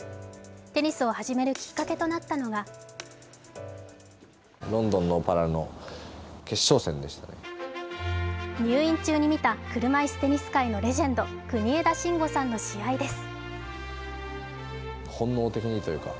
テニスを始めるきっかけとなったのが入院中に見た車いすテニス界のレジェンド、国枝慎吾さんの試合です。